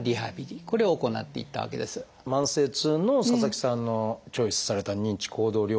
慢性痛の佐々木さんのチョイスされた認知行動療法。